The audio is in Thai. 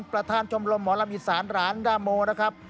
ประธานชมรมหมอลำอิสานหลานดาโมนะครับ